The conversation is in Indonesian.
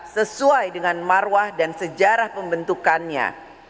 sesuai dengan marwah dan sejarah pembentukannya